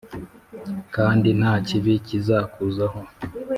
Kandi nta kibi kizakuzaho